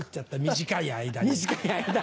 「短い間に」